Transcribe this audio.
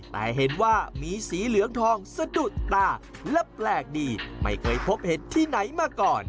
แต่เห็นว่ามีสีเหลืองทองสะดุดตาและแปลกดีไม่เคยพบเห็ดที่ไหนมาก่อน